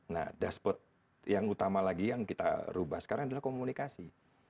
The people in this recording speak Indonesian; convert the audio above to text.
nah dashboard yang utama lagi yang kita rubah sekarang adalah komunikasi